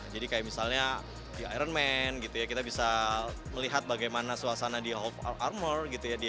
jadi kayak misalnya di iron man kita bisa melihat bagaimana suasana di home armor